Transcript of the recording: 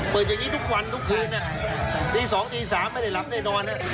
เปิดอย่างนี้ทุกวันทุกคืนน่ะตีสองตีสามไม่ได้หลับได้นอนน่ะ